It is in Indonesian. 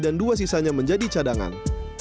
dan dua sisanya menjadi cadangan